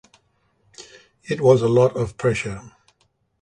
It was a lot of pressure.